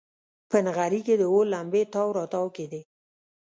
په نغري کې د اور لمبې تاو راتاو کېدې.